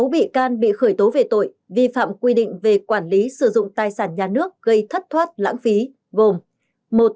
sáu bị can bị khởi tố về tội vi phạm quy định về quản lý sử dụng tài sản nhà nước gây thất thoát lãng phí gồm